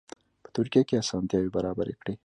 په ترکیه کې اسانتیاوې برابرې کړي.